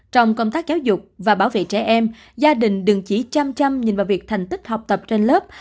trong công tác giáo dục và bảo vệ trẻ em gia đình đừng chỉ chăm trăm nhìn vào việc thành tích học tập trên lớp